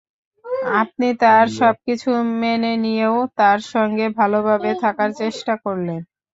আপনি তাঁর সবকিছু মেনে নিয়েও তাঁর সঙ্গে ভালোভাবে থাকার চেষ্টা করলেন।